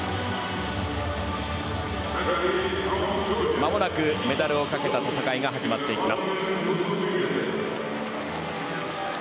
まもなく、メダルをかけた戦いが始まります。